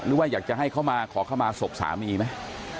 หรือว่าอยากจะให้เขามาขอเข้ามาศพสามีไหม